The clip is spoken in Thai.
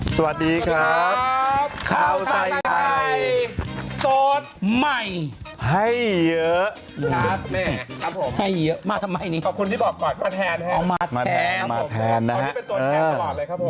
สวัสดีครับข้าวใส่ไทยสดใหม่ให้เยอะครับให้เยอะมาทำไมนี่ขอบคุณที่บอกก่อนมาแทนมาแทนมาแทนนะครับ